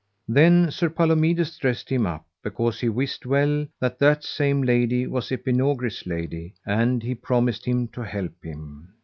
Then Sir Palomides dressed him up, because he wist well that that same lady was Epinogris' lady, and he promised him to help him.